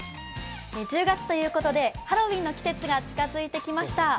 １０月ということでハロウィーンの季節が近づいてきました。